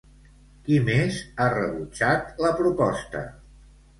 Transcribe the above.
Qui més ha rebutjat la proposta?